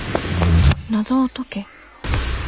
「謎を解け」。